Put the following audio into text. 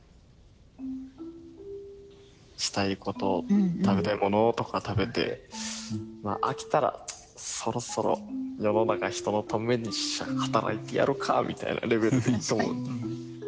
したいこと食べたいものとか食べて飽きたらそろそろ世の中人のために働いてやるかみたいなレベルでいいと思う。